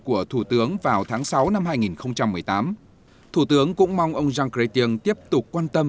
của thủ tướng vào tháng sáu năm hai nghìn một mươi tám thủ tướng cũng mong ông jean chrétien tiếp tục quan tâm